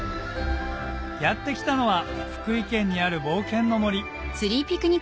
やって来たのは福井県にある冒険の森